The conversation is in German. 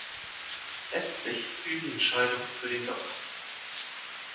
Letztlich fiel die Entscheidung für den "Dollar".